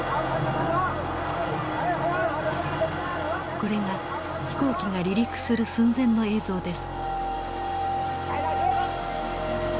これが飛行機が離陸する寸前の映像です。